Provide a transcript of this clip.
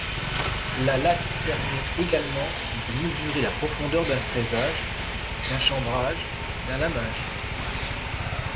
La latte permet également de mesurer la profondeur d'un fraisage, d'un chambrage, d'un lamage.